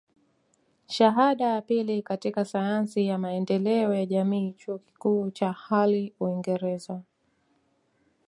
Shahada ya pili katika sayansi ya maendeleo ya jamii Chuo Kikuu cha Hull Uingereza